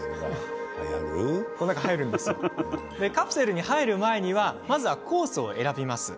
カプセルに入る前にまずはコース選びます。